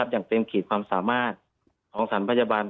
อย่างเต็มขีดความสามารถของสถานพยาบาล